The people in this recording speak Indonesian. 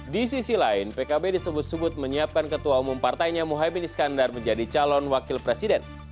di sisi lain pkb disebut sebut menyiapkan ketua umum partainya muhaymin iskandar menjadi calon wakil presiden